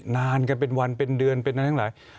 นานคนเป็นวันเป็นเดือนเป็นหลาย